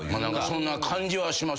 そんな感じはしますよ。